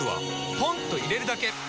ポンと入れるだけ！